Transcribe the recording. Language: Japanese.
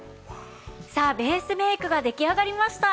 さあベースメイクが出来上がりました。